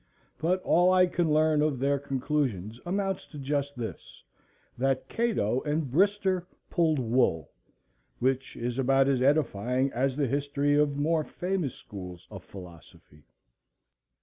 But all I can learn of their conclusions amounts to just this, that "Cato and Brister pulled wool;" which is about as edifying as the history of more famous schools of philosophy.